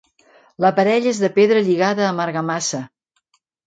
L’aparell és de pedra lligada amb argamassa.